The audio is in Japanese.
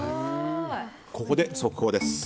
ここで速報です。